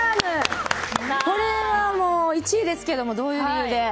これは１位ですけどどういう理由で？